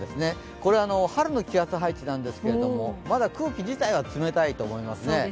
これは春の気圧配置なんですけど、まだ空気自体は冷たいですね。